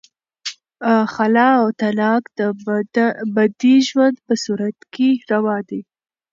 خلع او طلاق د بدې ژوند په صورت کې روا دي.